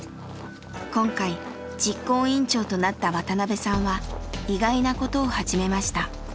今回実行委員長となった渡邊さんは意外なことを始めました。